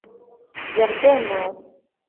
ĝardeno